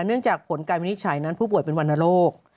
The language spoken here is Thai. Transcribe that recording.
เนื่องจากผลการวินิจฉัยนั้นผู้ป่วยเป็นวรรณโรค